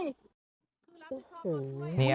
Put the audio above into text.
คืออะไร